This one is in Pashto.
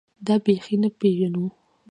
دا بېخي نه پېژنو.